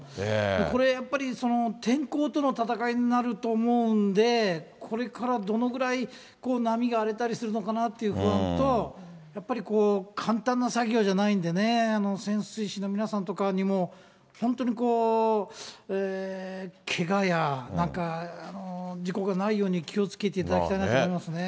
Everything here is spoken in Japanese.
これやっぱり、天候との戦いになると思うんで、これからどのぐらい波が荒れたりするのかなっていう不安と、やっぱり簡単な作業じゃないんでね、潜水士の皆さんとかにも、本当にけがや、なんか、事故がないように気をつけていただきたいなと思いますね。